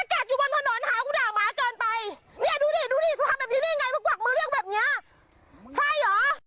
เนี่ยดูดิดูดิทุกคนทำแบบนี้ได้ยังไงมึงกวักมือเลี่ยงแบบเนี้ย